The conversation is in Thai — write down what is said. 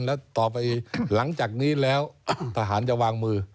แล้วต่อไปหลังจากนี้แล้วทหารจะวางมือ